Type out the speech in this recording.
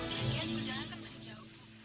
lagi lagi gua jalan kan masih jauh